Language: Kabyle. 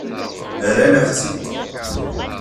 Rran-aɣ-tt-id.